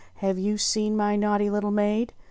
Have you seen my naughty little maid